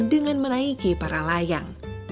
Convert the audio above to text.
dengan menaiki para layang